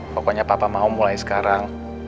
pokoknya papa mau mulai sekarang